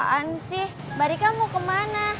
gimana sih mbak rika mau kemana